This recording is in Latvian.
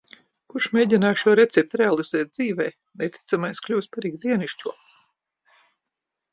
Kurš mēģināja šo recepti realizēt dzīvē. Neticamais kļuvis par ikdienišķo.